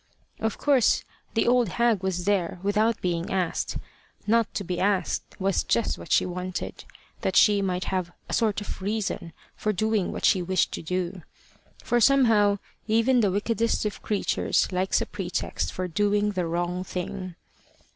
Of course the old hag was there without being asked. Not to be asked was just what she wanted, that she might have a sort of reason for doing what she wished to do. For somehow even the wickedest of creatures likes a pretext for doing the wrong thing.